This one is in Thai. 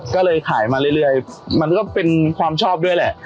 ก็เลยขายมาเรื่อยมันก็เป็นความชอบด้วยแหละ